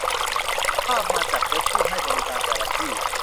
ภาพมาจากเว็บผู้ให้บริการแต่ละที่